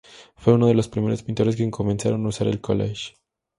Fue uno de los primeros pintores que comenzaron a usar el "collage".